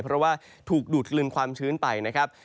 เพราะว่าถูกดูดกลืนความชื้นไปนะครับ